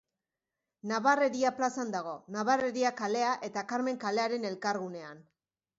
Nabarreria plazan dago, Nabarreria kalea eta Karmen kalearen elkargunean.